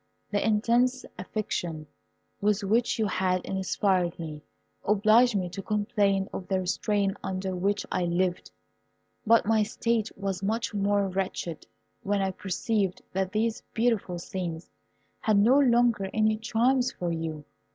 The intense affection with which you had inspired me obliged me to complain of the restraint under which I lived; but my state was much more wretched when I perceived that these beautiful scenes had no longer any charms for you.